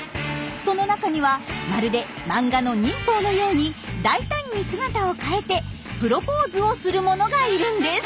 その中にはまるで漫画の忍法のように大胆に姿を変えてプロポーズをするものがいるんです。